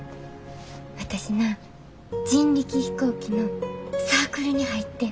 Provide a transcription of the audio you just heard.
私な人力飛行機のサークルに入ってん。